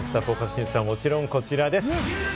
ニュースは、もちろんこちらです。